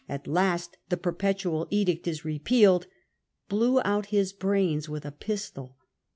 t last the Perpetual Edict is repealed,' blew out his brains with a pistol.